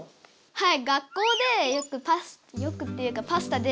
はい。